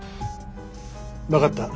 分かった。